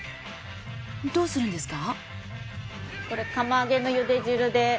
どうするんですか？